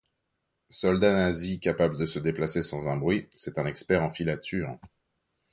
Soldat nazi capable de se déplacer sans un bruit, c'est un expert en filature.